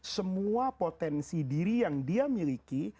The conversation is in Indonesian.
semua potensi diri yang dia miliki